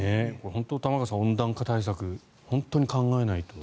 本当に玉川さん温暖化対策を考えないと。